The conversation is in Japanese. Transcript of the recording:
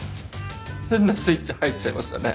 変なスイッチ入っちゃいましたね。